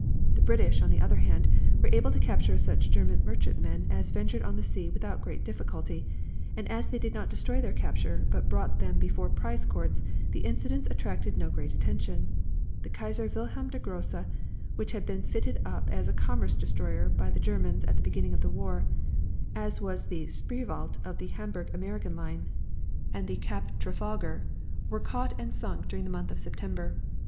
The British, on the other hand, were able to capture such German merchantmen as ventured on the sea without great difficulty, and as they did not destroy their capture, but brought them before prize courts, the incidents attracted no great attention. The Kaiser Wilhelm der Grosse, which had been fitted up as a commerce destroyer by the Germans at the beginning of the war, as was the Spreewald of the Hamburg American Line, and the Cap Trafalgar, were caught and sunk during the month of September.